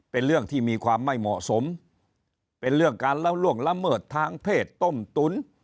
เป็นเรื่องที่มีความไม่เหมาะสมเป็นเรื่องการแล้วล่วงละเมิดทางเพศต้มตุ๋น